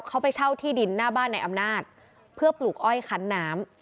เขาไปเช่าที่ดินหน้าบ้านในอำนาจเพื่อปลูกอ้อยคันน้ำ